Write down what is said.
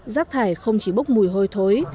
rác thải không chỉ bốc mùi hôi thối